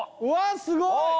うわすごい！